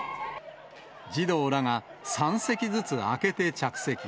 児童らが３席ずつ空けて着席。